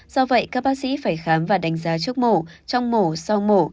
do vậy các bác sĩ phải khám và đánh giá trước mổ trong mổ sau mổ